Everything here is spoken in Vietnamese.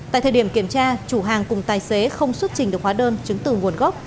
tại thời điểm kiểm tra chủ hàng cùng tài xế không xuất trình được hóa đơn chứng từ nguồn gốc